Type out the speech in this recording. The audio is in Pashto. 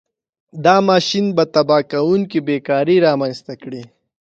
دا ماشین به تباه کوونکې بېکاري رامنځته کړي.